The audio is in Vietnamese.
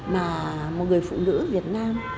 một người phụ nữ việt nam